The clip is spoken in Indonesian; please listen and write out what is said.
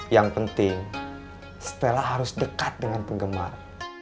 yang penting stella harus dekat dengan penggemar